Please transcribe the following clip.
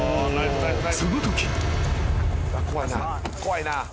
［そのとき］